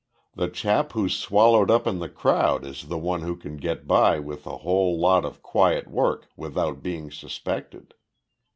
The chap who's swallowed up in the crowd is the one who can get by with a whole lot of quiet work without being suspected.